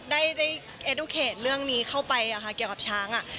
ได้เอดูเขตเรื่องนี้เข้าไปเกี่ยวกับช้าง